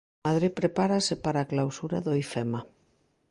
Madrid prepárase para a clausura do Ifema.